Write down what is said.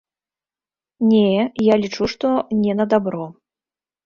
Не, я лічу, што не на дабро.